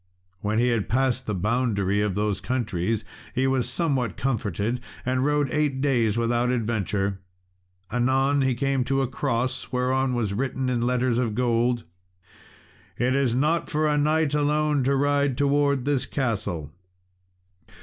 When he had passed the boundary of those countries, he was somewhat comforted, and rode eight days without adventure. Anon he came to a cross, whereon was written in letters of gold, "It is not for a knight alone to ride towards this castle."